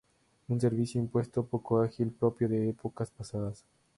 Un servicio impuesto poco ágil, propio de épocas pasadas